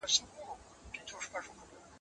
زه به اوږده موده د هنرونو تمرين کړی وم